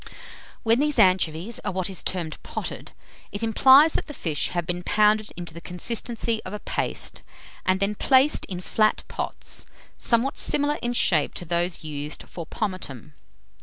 When these anchovies are what is termed potted, it implies that the fish have been pounded into the consistency of a paste, and then placed in flat pots, somewhat similar in shape to those used for pomatum.